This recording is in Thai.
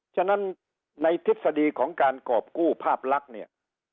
ฉะนั้นในทฤษฎีของการกรอบกู้ภาพลักษณ์เนี่ย